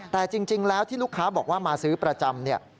แต่จริงแล้วที่ลูกค้าบอกว่ามาซื้อประจำเนี่ย